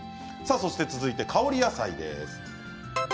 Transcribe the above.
そして続いて香り野菜です。